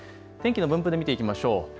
天気の分布で見ていきましょう。